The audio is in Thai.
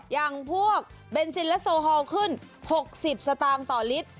อย่างพวกเบนซินและโซฮอลขึ้น๖๐สตางค์ต่อลิตร